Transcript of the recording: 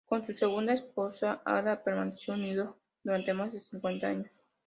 Con su segunda esposa, Ada, permaneció unido durante más de cincuenta años.